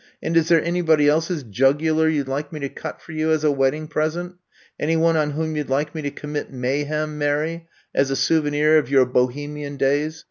And is there anybody's else jugular you 'd like me to cut for you, as a wedding present? Any one on whom you 'd like me to commit mayhem, Mary, as a souvenir of your Bo hemian days?